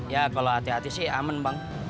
ya kalau hati hati sih aman bang